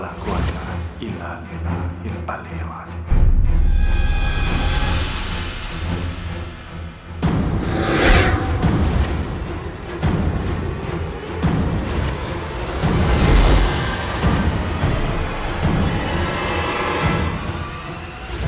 jangan sekali sekali kalian coba untuk mengelabui